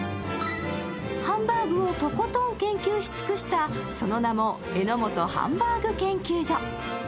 ハンバーグをとことん研究し尽くした、その名も榎本ハンバーグ研究所。